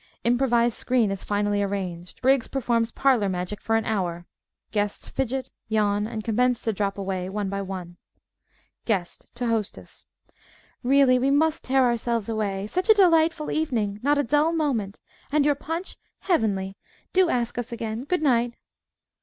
(Improvised screen is finally arranged. Briggs performs "parlor magic" for an hour. Guests, fidget, yawn and commence to drop away, one by one.) GUEST (to Hostess) Really, we must tear ourselves away. Such a delightful evening! not a dull moment. And your punch heavenly! Do ask us again. Good night.